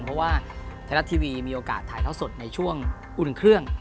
เพราะว่าไทยรัฐทีวีมีโอกาสถ่ายเท่าสดในช่วงอุ่นเครื่อง